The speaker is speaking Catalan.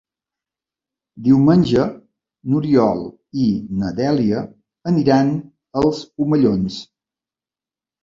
Diumenge n'Oriol i na Dèlia aniran als Omellons.